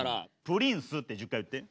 プリンスって１０回言って。